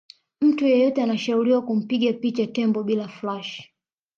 mtu yeyote anashauriwa kumpiga picha tembo bila flash